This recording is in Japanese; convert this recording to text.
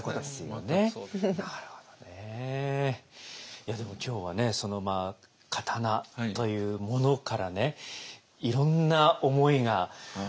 いやでも今日はね刀というものからねいろんな思いが。